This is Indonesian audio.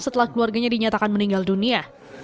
setelah keluarganya dinyatakan meninggal dunia